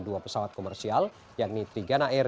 dua pesawat komersial yakni trigana air